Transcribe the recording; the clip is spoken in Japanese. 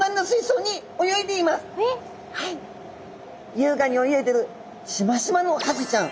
優雅に泳いでるしましまのハゼちゃん。